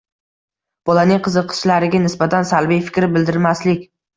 Bolaning qiziqishlariga nisbatan salbiy fikr bildirmaslik.